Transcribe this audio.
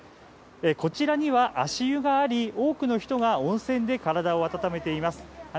こちらには足湯があり、多くの人が温泉で体を温めています。